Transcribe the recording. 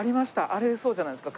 あれそうじゃないですか？